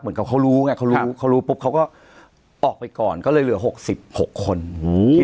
เหมือนกับเขารู้ไงเขารู้